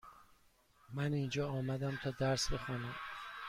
من اینجا آمدم تا درس بخوانم.